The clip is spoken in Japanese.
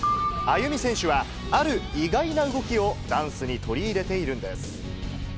アユミ選手は、ある意外な動きをダンスに取り入れているんです。